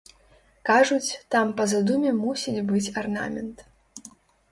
Кажуць, там па задуме мусіць быць арнамент.